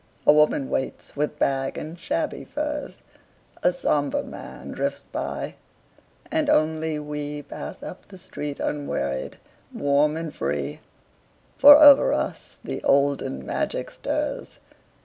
A woman waits with bag and shabby furs, A somber man drifts by, and only we Pass up the street unwearied, warm and free, For over us the olden magic stirs.